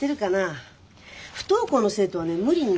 不登校の生徒はね無理にね